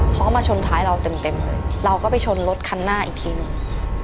เขาก็มาชนท้ายเราเต็มเต็มเลยเราก็ไปชนรถคันหน้าอีกทีหนึ่ง